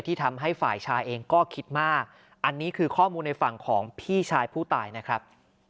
ที่ทำให้ฝ่ายชายเองก็คิดมากอันนี้คือข้อมูลในฝั่งของพี่ชายผู้ตายนะครับ